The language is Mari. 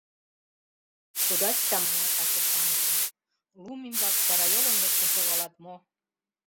Тудат чамана каче-шамычым: лум ӱмбак чарайолын лектын шогалат мо?